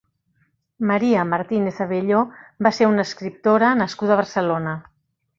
Maria Martínez Abelló va ser una escriptora nascuda a Barcelona.